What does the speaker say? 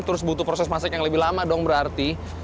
terus butuh proses masak yang lebih lama dong berarti